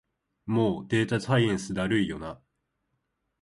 もうデータサイエンスだるいよな